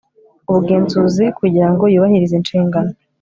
ubugenzuzi kugira ngo yabahirize inshingano